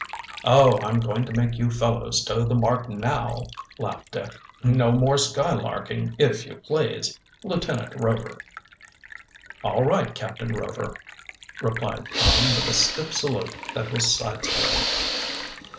"Oh, I'm going to make you fellows toe the mark now," laughed Dick. "No more skylarking, if you please, Lieutenant Rover." "All right, Captain Rover," replied Tom, with a stiff salute that was side splitting.